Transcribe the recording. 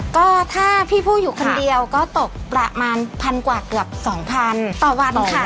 ก็ถ้าพี่ผู้อยู่คนเดียวก็ตกประมาณพันกว่าเกือบ๒๐๐ต่อวันค่ะ